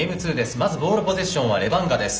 まずボールポゼッションはレバンガです。